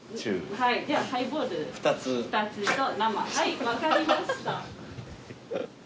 はい分かりました。